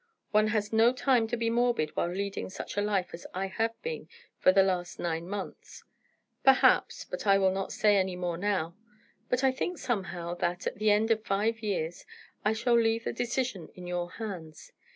One has no time to be morbid while leading such a life as I have been for the last nine months. Perhaps but I will not say any more now. But I think somehow, that, at the end of the five years, I shall leave the decision in your hands.